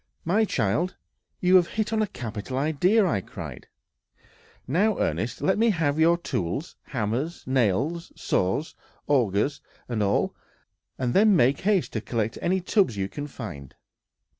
"My child, you have hit on a capital idea," cried I. "Now, Ernest, let me have your tools, hammers, nails, saws, augers, and all; and then make haste to collect any tubs you can find!"